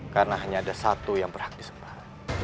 karena hanya ada satu yang berhak disembah